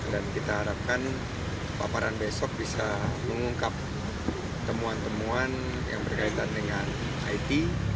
kita harapkan paparan besok bisa mengungkap temuan temuan yang berkaitan dengan it